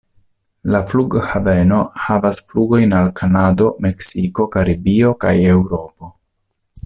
La flughaveno havas flugojn al Kanado, Meksiko, Karibio kaj Eŭropo.